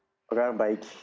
apa kabar baik